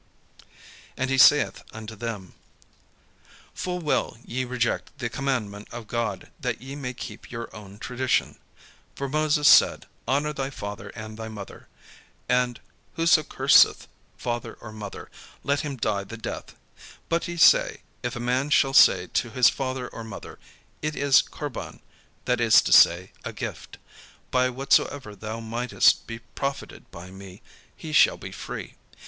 And he said unto them: "Full well ye reject the commandment of God, that ye may keep your own tradition. For Moses said: 'Honour thy father and thy mother'; and, 'Whoso curseth father or mother, let him die the death:' but ye say, 'If a man shall say to his father or mother, "It is Corban," (that is to say, a gift,) by whatsoever thou mightest be profited by me; he shall be free.'